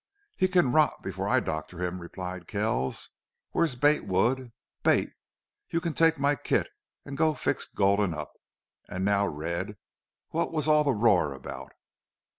"He can rot before I doctor him," replied Kells. "Where's Bate Wood?... Bate, you can take my kit and go fix Gulden up. And now, Red, what was all the roar about?"